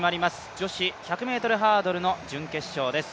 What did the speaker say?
女子１００ｍハードルの準決勝です。